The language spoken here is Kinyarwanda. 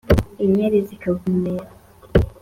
inyeri zikavumera,